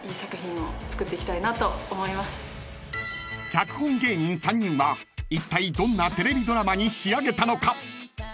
［脚本芸人３人はいったいどんなテレビドラマに仕上げたのか？］